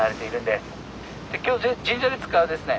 で今日神社で使うですね